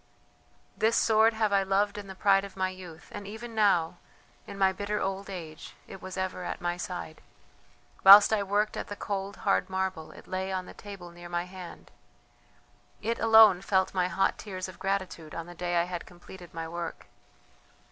"This sword have I loved in the pride of my youth, and even now, in my bitter old age, it was ever at my side. Whilst I worked at the cold, hard marble, it lay on the table near my hand; it alone felt my hot tears of gratitude on the day I had completed my work.